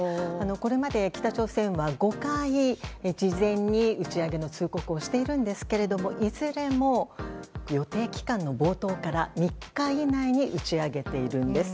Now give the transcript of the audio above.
これまで北朝鮮は５回、事前に打ち上げの通告をしていますがいずれも予定期間の冒頭から３日以内に打ち上げているんです。